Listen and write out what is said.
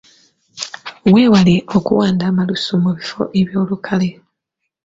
Weewale okuwanda amalusu mu bifo eby'olukale.